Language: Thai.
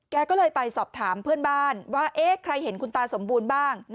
แกก็เลยไปสอบถามเพื่อนบ้านว่าใครเห็นคุณตาสมบูรณ์บ้าง